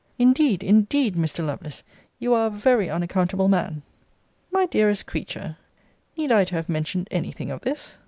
Indeed, indeed, Mr. Lovelace, you are a very unaccountable man. My dearest creature, need I to have mentioned any thing of this?